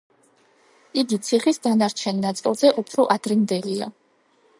იგი ციხის დანარჩენ ნაწილზე უფრო ადრინდელია.